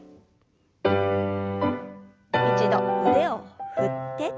一度腕を振って。